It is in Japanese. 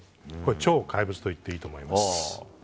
超怪物と言っていいと思います。